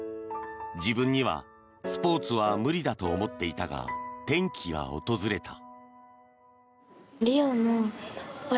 自分にはスポーツは無理だと思っていたが転機が訪れた。